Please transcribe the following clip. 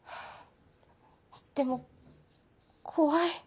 でも怖い。